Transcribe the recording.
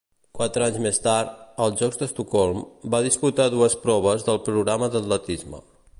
Quatre anys més tard, als Jocs d'Estocolm, va disputar dues proves del programa d'atletisme.